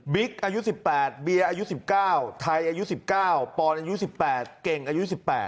อายุ๑๘เบียร์อายุ๑๙ไทยอายุ๑๙ปอนอายุ๑๘เก่งอายุ๑๘